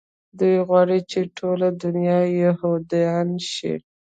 دوى غواړي چې ټوله دونيا يهودان شي.